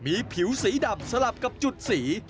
มีผิวสีดำสลับกับจุดสี